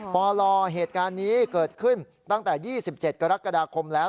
ปลเหตุการณ์นี้เกิดขึ้นตั้งแต่๒๗กรกฎาคมแล้ว